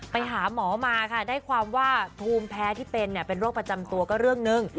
ไปหาหมอมาค่ะได้ความว่าภูมิแพ้ที่เป็นเป็นโรคประจำตัวก็เรื่องหนึ่ง